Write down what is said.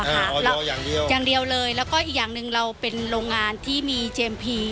อย่างเดียวอย่างเดียวเลยแล้วก็อีกอย่างหนึ่งเราเป็นโรงงานที่มีเจมส์พี